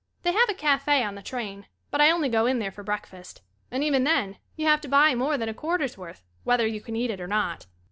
They have a cafay on the train but I only go in there for breakfast, and even then, you have to buy more than a quarter's worth whether you can eat it or not.